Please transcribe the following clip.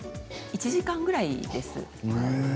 １時間ぐらいです。